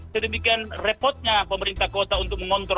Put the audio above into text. sedemikian repotnya pemerintah kota untuk mengontrol